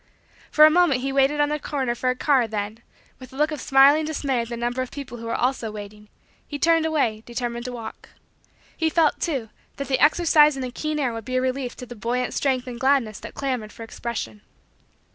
For a moment he waited on the corner for a car then, with a look of smiling dismay at the number of people who were also waiting, he turned away, determined to walk. He felt, too, that the exercise in the keen air would be a relief to the buoyant strength and gladness that clamored for expression.